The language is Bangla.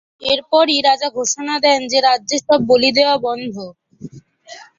এরপরই রাজা ঘোষণা দেন যে রাজ্যে সব বলি দেওয়া বন্ধ।